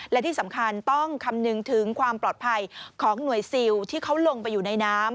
และที่สำคัญต้องคำนึงถึงความปลอดภัยของหน่วยซิลที่เขาลงไปอยู่ในน้ำ